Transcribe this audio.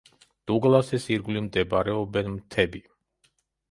დუგლასის ირგვლივ მდებარეობენ მთები.